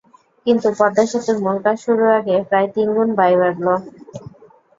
কিন্তু পদ্মা সেতুর মূল কাজ শুরুর আগে প্রায় তিন গুণ ব্যয় বাড়ল।